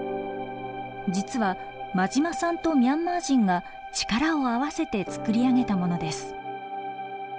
実は馬島さんとミャンマー人が力を合わせてつくり上げたものです。